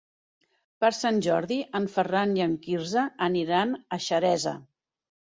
Per Sant Jordi en Ferran i en Quirze aniran a Xeresa.